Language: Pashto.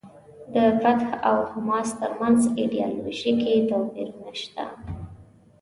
د فتح او حماس ترمنځ ایډیالوژیکي توپیرونه شته.